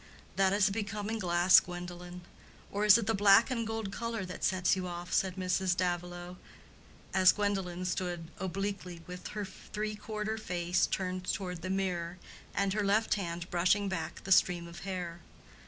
"That is a becoming glass, Gwendolen; or is it the black and gold color that sets you off?" said Mrs. Davilow, as Gwendolen stood obliquely with her three quarter face turned toward the mirror, and her left hand brushing back the stream of hair.